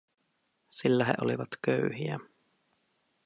Sillä he olivat köyhiä.